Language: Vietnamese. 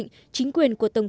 là chính phủ hợp pháp duy nhất